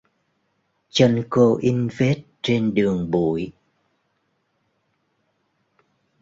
Chân cô in vết trên đường bụi